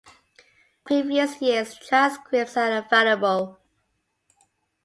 For previous years, transcripts are available.